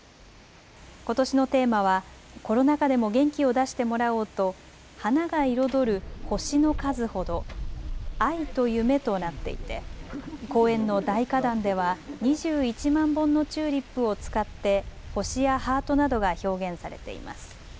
ことしのテーマはコロナ禍でも元気を出してもらおうと花が彩る星の数ほど愛と希望となっていて公園の大花壇では２１万本のチューリップを使って星やハートなどが表現されています。